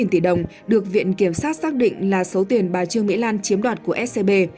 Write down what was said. ba trăm linh bốn tỷ đồng được viện kiểm sát xác định là số tiền bà trương mỹ lan chiếm đoạt của scb